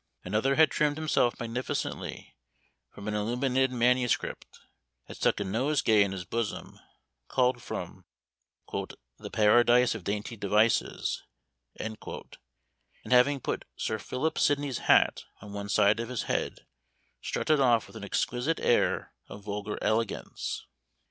Another had trimmed himself magnificently from an illuminated manuscript, had stuck a nosegay in his bosom, culled from "The Paradise of Dainty Devices," and having put Sir Philip Sidney's hat on one side of his head, strutted off with an exquisite air of vulgar elegance.